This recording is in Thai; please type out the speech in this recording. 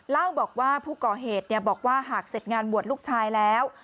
เล่าบอกว่าผู้ก่อเหตุบอกว่าหากเสร็จงานบวชลูกชายแล้ว